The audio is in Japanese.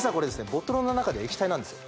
ボトルの中では液体なんですよ